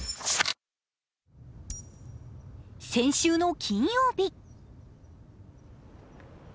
先週の金曜日。